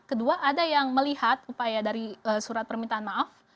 kedua ada yang melihat upaya dari surat permintaan maaf